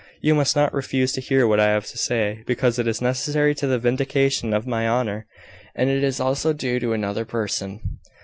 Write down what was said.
You must not refuse to hear what I have to say, because it is necessary to the vindication of my honour; and it is also due to another person."